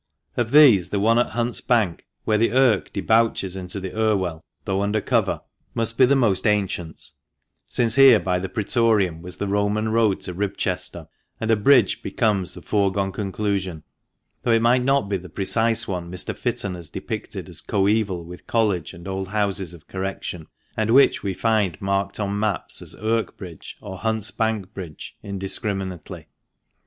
— Of these, the one at Hunt's Bank, where the Irk debouches into the Irwell (though under cover) must be the most ancient, since here by the Prcetorium was the Roman Road to Ribchester, and a biidge becomes a foregone conclusion, though it might not be the precise one Mr. Fitton has depicted as coeval with College and old Houses of Correction, and which we find marked on maps as Irk Bridge or Hunts Bank Bridge indiscriminately.